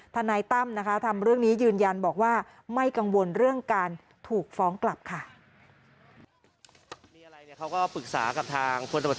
นายตั้มนะคะทำเรื่องนี้ยืนยันบอกว่าไม่กังวลเรื่องการถูกฟ้องกลับค่ะ